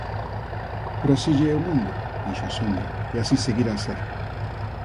Pero así lle é o mundo, dixo a sombra e así seguirá a ser!